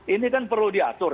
ini kan perlu diatur